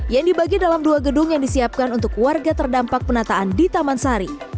yang dibagi dalam dua gedung yang disiapkan untuk warga terdampak penataan di taman sari